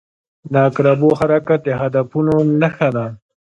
• د عقربو حرکت د هدفونو نښه ده.